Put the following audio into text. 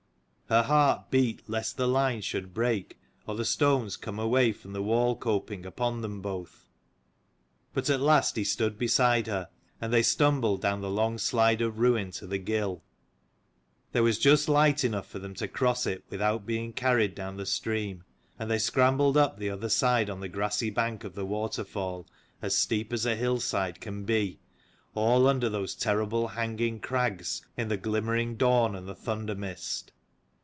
Her heart beat lest the line should break, or the stones come away from the wall coping upon them both: but at last he stood beside her, and they stumbled down the long slide of ruin to the gill. There was just light enough for them to cross it without being carried down the stream; and they scrambled up the other side on the grassy bank of the waterfall as steep as a hill side can be, all under those terrible hanging crags, in the glimmering dawn and the thunder mist.